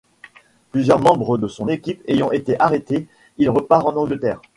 Plusieurs membres de son équipe ayant été arrêtés, il repart en Angleterre.